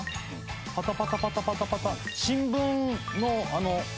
パタパタパタパタパタパタ。